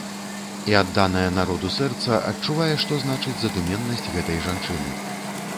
І адданае народу сэрца адчувае, што значыць задуменнасць гэтай жанчыны.